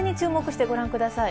風に注目してご覧ください。